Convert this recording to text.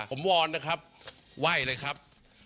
ผมวอนนะครับไหว้เลยครับ